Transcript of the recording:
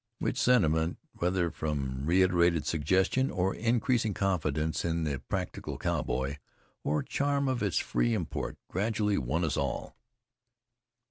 Which sentiment, whether from reiterated suggestion, or increasing confidence in the practical cowboy, or charm of its free import, gradually won us all.